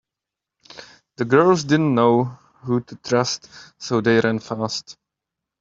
The girls didn’t know who to trust so they ran fast.